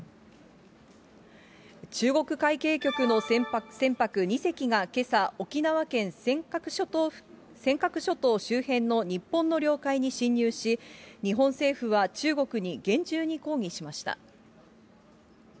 中国海警局の船舶２隻がけさ、沖縄県尖閣諸島周辺の日本の領海に侵入し、日本政府は中国に厳重に抗議しました。